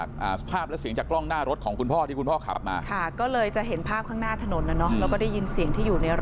เด็กเด็กไม่สบายมากเลยช่วยหน่อยพี่ช่วยหน่อยพี่ช่วยหน่อย